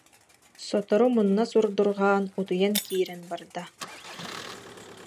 Сотору мунна сурдурҕаан утуйан киирэн барда